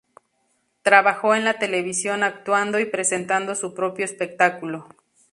Trabajó en la televisión actuando y presentado su propio espectáculo.